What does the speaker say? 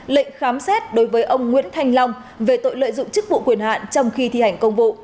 lệnh khám xét đối với ông nguyễn thanh long về tội lợi dụng chức vụ quyền hạn trong khi thi hành công vụ